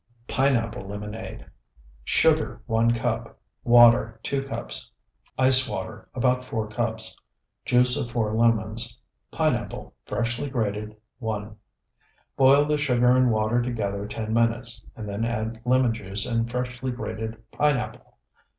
PINEAPPLE LEMONADE Sugar, 1 cup. Water, 2 cups. Ice water, about 4 cups. Juice of 4 lemons. Pineapple, freshly grated, 1. Boil the sugar and water together ten minutes, and then add lemon juice and freshly grated pineapple.